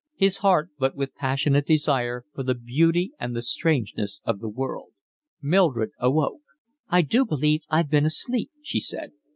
His heart beat with passionate desire for the beauty and the strangeness of the world. Mildred awoke. "I do believe I've been asleep," she said.